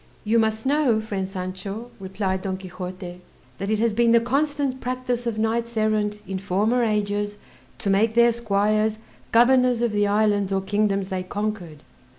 "You must know, friend Sancho," replied Don Quixote, "that it has been the constant practice of knights errant in former ages to make their squires governors of the islands or kingdoms they conquered."